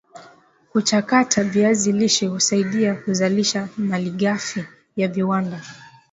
kuchakata viazi lishe husaidia Kuzalisha malighafi ya viwanda